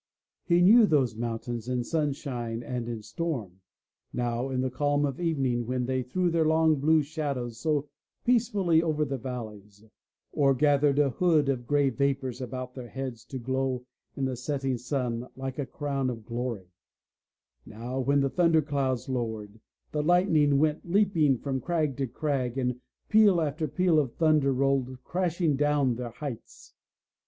He knew those mountains in sunshine and in storm — now in the calm of evening when they threw their long blue shadows so peacefully over the valleys, or gathered a hood of gray vapors about their heads to glow in the setting sun like a crown of glory — ^now when the thunderclouds lowered, the light ning went leaping from crag to crag and peal after peal of thunder rolled crashing down their heights.